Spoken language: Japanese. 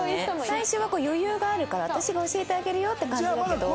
最初は余裕があるから私が教えてあげるよって感じだけど。